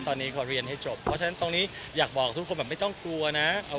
ตอนนี้เขาเรียนให้จบเพราะฉะนั้นตรงนี้อยากบอกทุกคนแบบไม่ต้องกลัวนะ